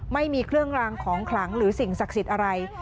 ไม่มีเครื่องรางของขลังหรือสิ่งศักดิ์สิทธิ์อะไร